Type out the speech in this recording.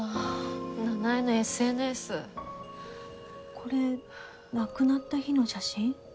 これ亡くなった日の写真？